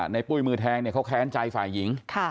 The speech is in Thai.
ในปุ้ยมือแทงเนี่ยเขาแค้นใจฝ่ายหญิง